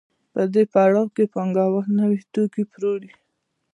په دې پړاو کې پانګوال نوي توکي پلوري